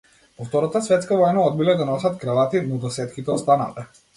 По втората светска војна одбиле да носат кравати, но досетките останале.